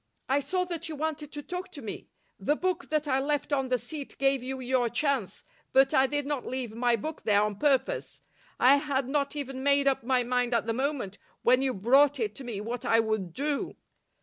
I saw that you wanted to talk to me. The book that I left on the seat gave you your chance, but I did not leave my book there on purpose. I had not even made up my mind at the moment when you brought it to me what I would do.